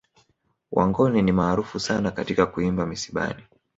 Wangoni ni maarufu sana katika kuimba misibani